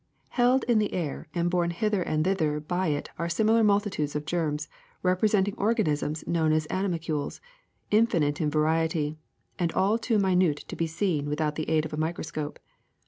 ^'Held in the air and borne hither and thither by it are similar multitudes of germs representing or ganisms known as animalcules, infinite in variety, and all too minute to be seen without the aid of a microscope.